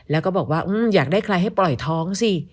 แล้วก็บอกว่าอยากได้ใครให้ปล่อยท้องสิ